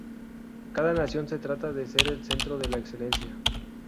Cada nación se trata de ser el centro de la excelencia.